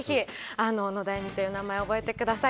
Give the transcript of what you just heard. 野田愛実という名前をぜひ覚えてください。